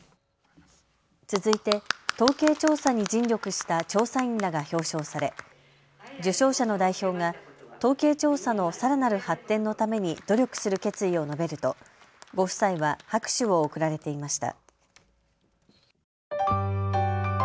続いて統計調査に尽力した調査員らが表彰され受賞者の代表が統計調査のさらなる発展のために努力する決意を述べるとご夫妻は拍手を送られていました。